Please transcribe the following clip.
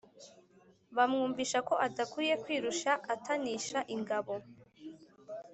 bamwumvisha ko adakwiye kwirushya atanisha ingabo